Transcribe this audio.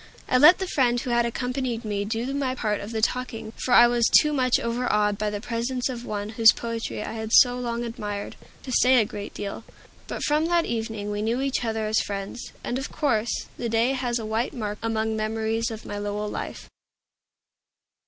I let the friend who had accompanied me do my part of the talking for I was too much overawed by the presence of one whose poetry I had so long admired, to say a great deal. But from that evening we knew each other as friends; and, of course, the day has a white mark among memories of my Lowell life.